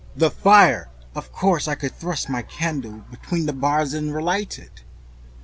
The fire! Of course I could still thrust my candle between the bars and relight it.